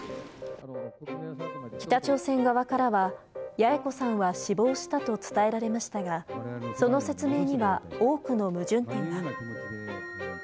北朝鮮側からは、八重子さんは死亡したと伝えられましたが、その説明には多くの矛盾点が。